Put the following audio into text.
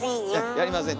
やりません。